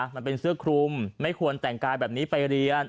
มันเป็นเสื้อคลุมไม่ควรแต่งกายแบบนี้ไปเรียน